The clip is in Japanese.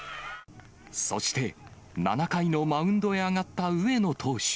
そして、７回のマウンドへ上がった上野投手。